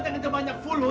setelah saya banyak bulan